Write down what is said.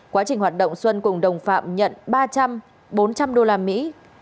quá trình hoạt động xuân cùng đồng phạm nhận ba trăm linh bốn trăm linh đô la mỹ